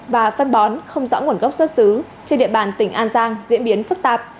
và phân bón không rõ nguồn gốc xuất xứ trên địa bàn tỉnh an giang diễn biến phức tạp